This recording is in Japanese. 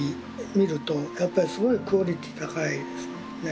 見るとやっぱりすごいクオリティー高いですもんね。